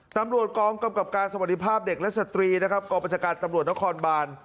ตาร์พกองกำกับการสวัสดิภาพเด็กเอ่อสตรีกรปัจจักรตามรวจนครบาน